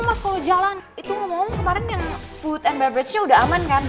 oh mas kalo jalan itu ngomong kemarin yang food and beverage nya udah aman kan